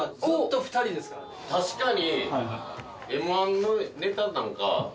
確かに。